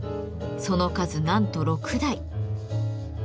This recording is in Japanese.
その数なんと６台。